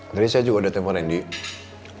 dari saya juga udah tepok bisa ndini